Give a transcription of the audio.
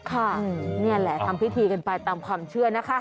ค่ะนี่แหละทำพิธีกันไปตามความเชื่อนะคะ